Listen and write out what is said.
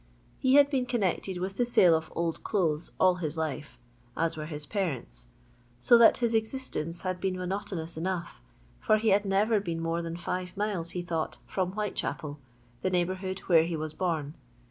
He had been connected with the sale of old clothes all his life, as were his parents, so that his existence bad been monotonous enough, for he had never been more than five miles, he thought, from Whitechapel, the neighbourhood where he was born.